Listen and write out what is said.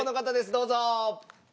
どうぞ！